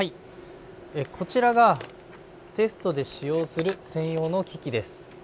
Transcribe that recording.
こちらがテストで使用する専用の機器です。